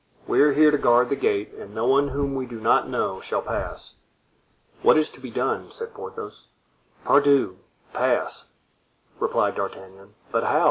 We are here to guard the gate, and no one whom we do not know shall pass." "What is to be done?" said Porthos. "Pardieu! pass," replied D'Artagnan. "But how?"